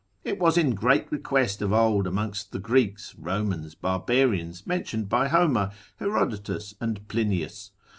It was in great request of old amongst the Greeks, Romans, Barbarians, mentioned by Homer, Herodotus, and Plinius.